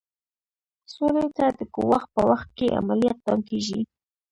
سولې ته د ګواښ په وخت کې عملي اقدام کیږي.